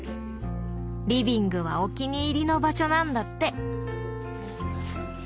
リビングはお気に入りの場所なんだって。